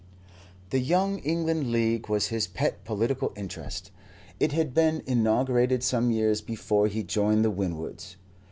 The Young England League was his pet political interest. It had been inaugurated some years before he joined the Winwoods.